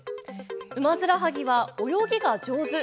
ウマヅラハギは泳ぎが上手。